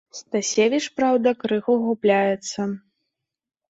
Стасевіч, праўда, крыху губляецца.